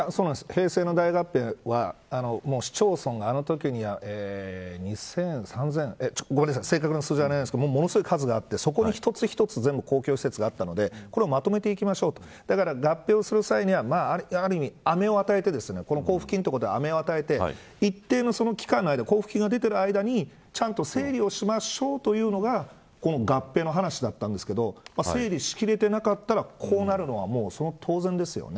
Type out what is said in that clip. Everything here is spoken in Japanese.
平成の大合併は市町村が、あのときは正確な数字は分からないんですがものすごい数があってそこに一つ一つ全部公共施設があったのでこれをまとめていきましょうとだから合併をする際にはあめを与えて交付金というあめを与えて一定の期間、交付金が出ている間にちゃんと整理をしましょうというのがこの合併の話だったんですけど整理しきれてなかったらこうなるのは当然ですよね。